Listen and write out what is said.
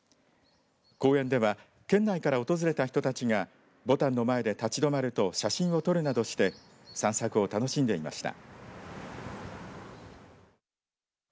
公園では県内から訪れた人たちがぼたんの前で立ち止まると写真を撮るなどして散策を楽しんでいました。